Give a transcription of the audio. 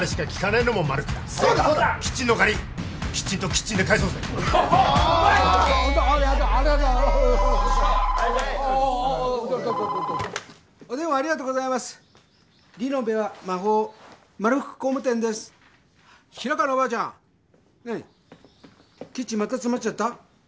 キッチンまた詰まっちゃった？